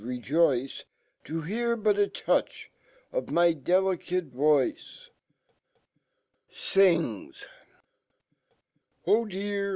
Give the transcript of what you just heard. rejol Tb hear but a touch of my delicate voice, ""O dear!